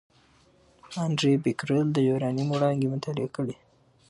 انري بکرېل د یورانیم وړانګې مطالعه کړې.